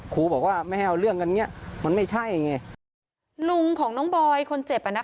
ครูบอกว่าไม่ให้เอาเรื่องกันเนี้ยมันไม่ใช่ไงลุงของน้องบอยคนเจ็บอ่ะนะคะ